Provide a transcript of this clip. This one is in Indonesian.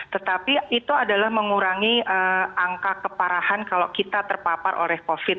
tetapi itu adalah mengurangi angka keparahan kalau kita terpapar oleh covid